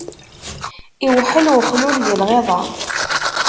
Iwḥel uxlul di lɣiḍa.